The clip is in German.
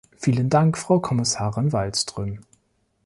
Vielen Dank Frau Kommissarin Wallström.